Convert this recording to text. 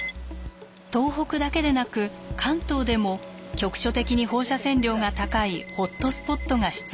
東北だけでなく関東でも局所的に放射線量が高いホットスポットが出現。